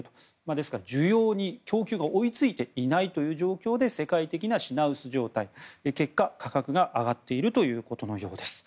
ですから需要に供給が追い付いていない状況で世界的な品薄状態で結果、価格が上がっているということのようです。